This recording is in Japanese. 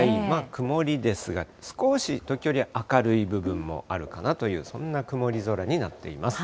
曇りですが、少し時折、明るい部分もあるかなというそんな曇り空になっています。